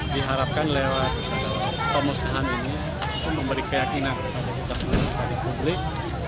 di harapkan lewat pemusnahan ini memberi keyakinan kepada publik